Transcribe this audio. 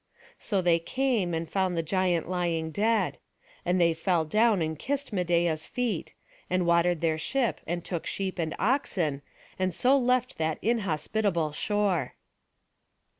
So they came, and found the giant lying dead; and they fell down, and kissed Medeia's feet; and watered their ship, and took sheep and oxen, and so left that inhospitable shore.